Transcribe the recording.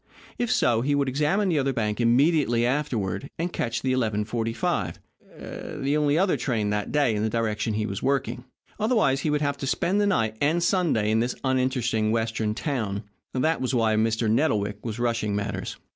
If so, he could examine the other bank immediately afterward, and catch the 11.45, the only other train that day in the direction he was working. Otherwise, he would have to spend the night and Sunday in this uninteresting Western town. That was why Mr. Nettlewick was rushing matters.